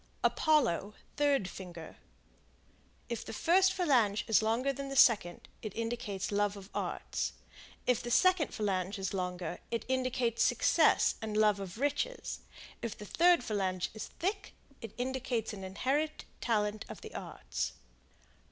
Apollo, third finger; if the first phalange is longer than the second, it indicates love of the arts; if the second phalange is long, it indicates success and love of riches; if the third phalange is thick, it indicates an inherited talent of the arts.